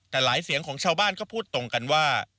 แต่หลายเสียงของชาวบ้านก็พูดตรงกันว่า